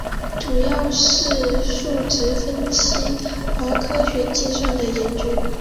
主要从事数值分析和科学计算的研究。